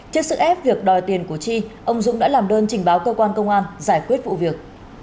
trước sức ép việc đòi tiền của chi ông dũng đã làm đơn trình báo cơ quan công an giải quyết vụ việc